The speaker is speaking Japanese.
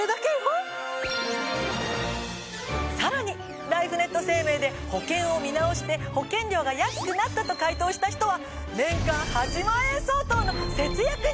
さらにライフネット生命で保険を見直して保険料が安くなったと回答した人は。